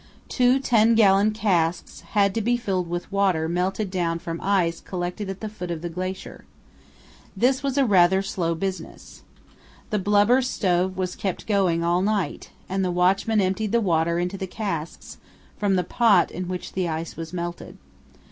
Two ten gallon casks had to be filled with water melted down from ice collected at the foot of the glacier. This was a rather slow business. The blubber stove was kept going all night, and the watchmen emptied the water into the casks from the pot in which the ice was melted.